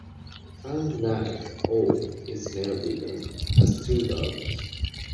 Aung Naing Oo is married and has two daughters.